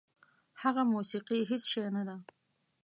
هغه موسیقي هېڅ شی نه ده.